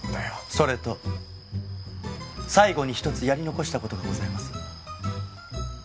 それと最後に一つやり残した事がございます。